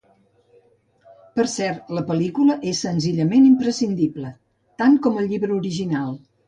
Per cert, la pel·lícula és senzillament imprescindible. Tant com el llibre original.